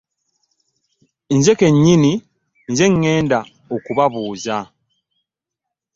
Nze kennyini nze ŋŋenda okubabuuza.